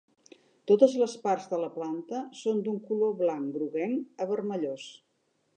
Totes les parts de la planta són d'un color blanc groguenc a vermellós.